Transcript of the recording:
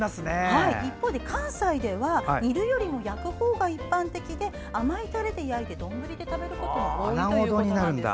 一方で、関西では煮るよりも焼くほうが一般的で甘いタレで焼いて丼で食べることが多いということです。